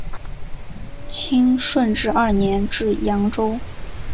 清顺治二年至扬州。